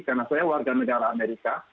karena saya warga negara amerika